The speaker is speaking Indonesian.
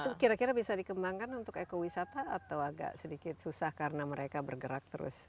itu kira kira bisa dikembangkan untuk ekowisata atau agak sedikit susah karena mereka bergerak terus